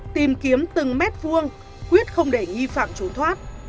tìm kiếm từng mét vuông quyết không để nghi phạm trốn thoát